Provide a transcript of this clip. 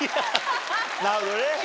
なるほどね。